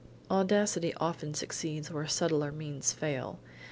Audacity often succeeds where subtler means fail.